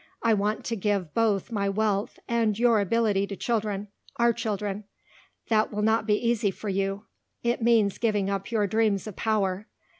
I want to give both my wealth and your ability to children our children. That will not be easy for you. It means giving up your dreams of power.